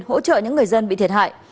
hỗ trợ những người dân bị thiệt hại